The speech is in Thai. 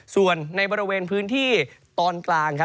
ส่วนในบริเวณพื้นที่ตอนกลางครับ